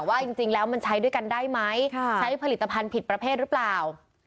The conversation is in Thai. ว่าจริงแล้วมันใช้ด้วยกันได้ไหมใช้ผลิตภัณฑ์ผิดประเภทหรือเปล่า